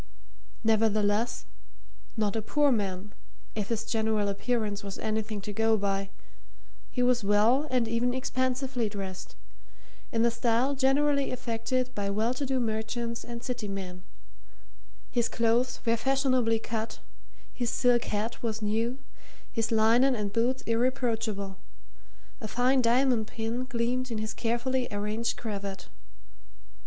Nevertheless, not a poor man, if his general appearance was anything to go by he was well and even expensively dressed, in the style generally affected by well to do merchants and city men; his clothes were fashionably cut, his silk hat was new, his linen and boots irreproachable; a fine diamond pin gleamed in his carefully arranged cravat.